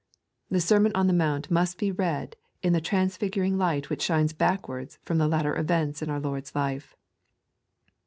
The Sermon on the Mount must be read in the trans figuring light which shines backwards irom the later events in our Lord's life.